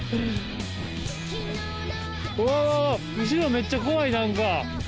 後ろめっちゃ怖い何か。